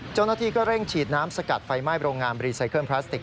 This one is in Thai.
เจ้าหน้าที่ก็เร่งฉีดน้ำสกัดไฟไหม้โรงงานรีไซเคิลพลาสติก